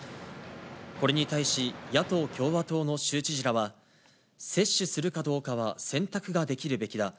これに対し、野党・共和党の州知事らは、接種するかどうかは選択ができるべきだ。